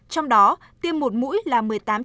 trong đó tiêm một mũi là